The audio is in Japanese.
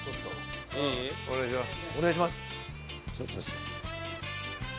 おお！お願いします。